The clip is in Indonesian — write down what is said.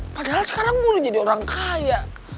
padahal sekarang gue udah jadi orang kaya